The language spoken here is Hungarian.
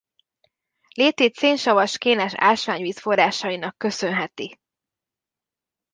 Létét szénsavas-kénes ásványvízforrásainak köszönheti.